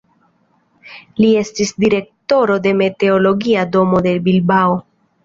Li estis direktoro de meteologia domo de Bilbao.